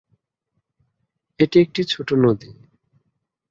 এটি একটি ছোটো নদী।